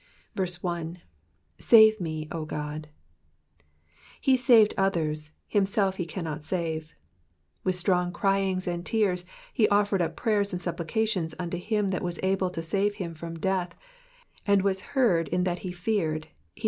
1. ^^Sate me, 0 Chd.''^ He saved others, himself he cannot save," With strong cryings and tears he offered up prayers and supplications unto him that» wtis able to save him from death, and was heard in that he feared (Heb.